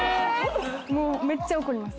もうめっちゃ怒ります